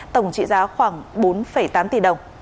tổng trị giá khoảng bốn tám tỷ đồng